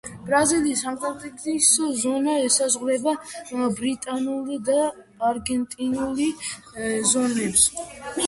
ბრაზილიის ანტარქტიკის ზონა ესაზღვრება ბრიტანულ და არგენტინული ზონებს.